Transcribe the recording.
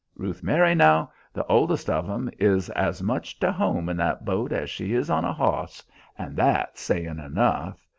Ruth Mary now, the oldest of 'em, is as much to home in that boat as she is on a hoss and that's sayin' enough.